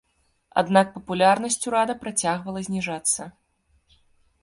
Аднак папулярнасць урада працягвала зніжацца.